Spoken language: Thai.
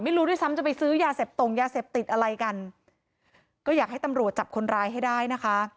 ไม่รู้ด้วยซ้ำจะไปซื้อยาเสพตรงยาเสพติดอะไรกันก็อยากให้ตำรวจจับคนร้ายให้ได้นะคะ